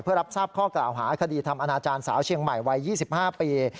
เพื่อรับทราบข้อกล่าวหาคดีทำอนาจารย์สาวเชียงใหม่วัย๒๕ปี